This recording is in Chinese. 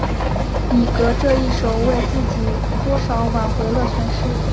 米格这一手为自己多少挽回了损失。